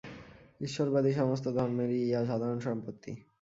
ঈশ্বরবাদী সমস্ত ধর্মেরই ইহা সাধারণ সম্পত্তি।